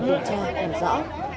điều tra còn rõ